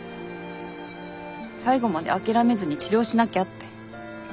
最後まで諦めずに治療しなきゃ」って。